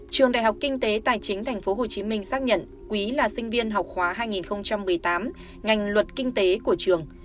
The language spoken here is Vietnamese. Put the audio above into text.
trường đại học kinh tế tài chính tp hcm xác nhận quý là sinh viên học khóa hai nghìn một mươi tám ngành luật kinh tế của trường